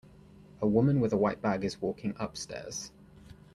A woman with a white bag is walking upstairs.